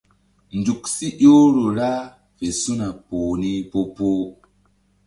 Nzuk si ƴohro ra fe su̧na poh ni po-poh.